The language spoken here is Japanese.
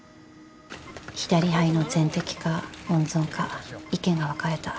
左肺の全摘か温存か意見が分かれた。